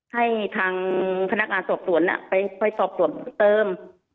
ให้ทางพนักงานสอบสวนไปสอบส่วนเติม